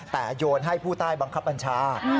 แต่โยนให้ผู้ใต้บังคับบัญชา